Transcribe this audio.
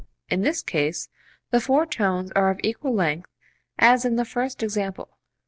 In this case the four tones are of equal length as in the first example.